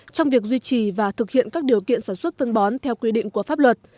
trong việc duy trì và thực hiện các điều kiện sản xuất phân bón theo quy định của pháp luật